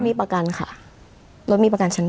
มีประกันค่ะรถมีประกันชั้น